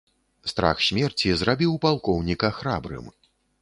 Страх смерці зрабіў палкоўніка храбрым.